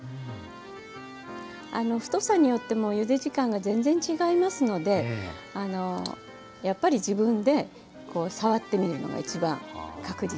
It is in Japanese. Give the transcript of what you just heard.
あの太さによってもゆで時間が全然違いますのであのやっぱり自分で触ってみるのがいちばん確実ですよねはい。